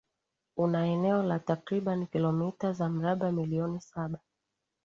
Una eneo la takribani kilomita za mraba milioni saba